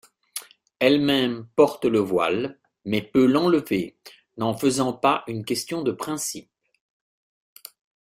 Elle-même porte le voile mais peut l'enlever, n'en faisant pas une question de principe.